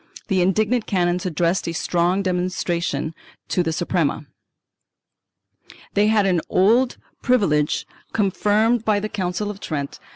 The indignant canons addressed a strong remon strance to the Suprema. They had an old privilege, confirmed by the Council of Trent (Sess.